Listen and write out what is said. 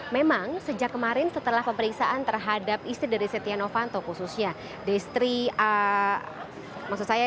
memang sejak kemarin setelah pemeriksaan terhadap istri dari stiano fanto khususnya